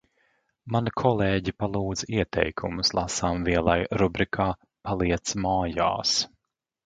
Man kolēģi palūdza ieteikumus lasāmvielai rubrikā "paliec mājās".